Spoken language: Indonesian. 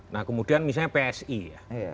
nah kemudian misalnya psi ya